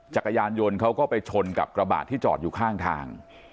จักรยานยนต์เขาก็ไปชนกับกระบาดที่จอดอยู่ข้างทาง